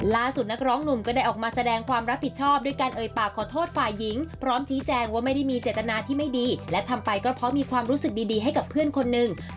นักร้องหนุ่มก็ได้ออกมาแสดงความรับผิดชอบด้วยการเอ่ยปากขอโทษฝ่ายหญิงพร้อมชี้แจงว่าไม่ได้มีเจตนาที่ไม่ดีและทำไปก็เพราะมีความรู้สึกดีให้กับเพื่อนคนหนึ่ง